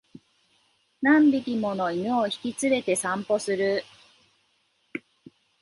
何匹もの犬を引き連れて散歩する